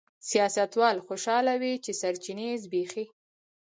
سیاستوال خوشاله وي چې سرچینې زبېښي.